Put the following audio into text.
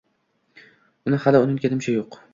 Uni hali unutganimcha yo’q.